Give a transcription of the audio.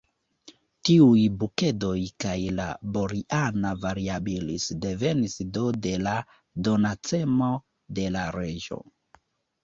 Tiuj bukedoj kaj la _Boriana variabilis_ devenis do de la donacemo de la Reĝo.